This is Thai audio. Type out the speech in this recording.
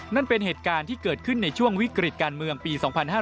นั่นเป็นเหตุการณ์ที่เกิดขึ้นในช่วงวิกฤตการเมืองปี๒๕๕๙